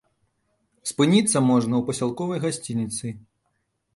Спыніцца можна ў пасялковай гасцініцы.